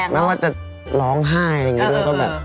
ไม่ว่าจะร้องไห้อะไรอย่างนี้ด้วยก็แบบ